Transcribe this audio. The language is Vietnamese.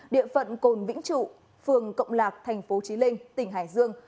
địa phận cồn vĩnh trụ phường cộng lạc tp chí linh tỉnh hải dương